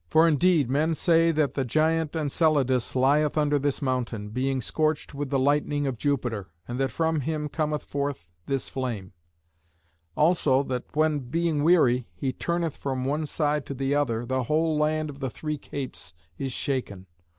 For indeed men say that the giant Enceladus lieth under this mountain, being scorched with the lightning of Jupiter, and that from him cometh forth this flame; also that when, being weary, he turneth from one side to the other, the whole land of the Three Capes is shaken.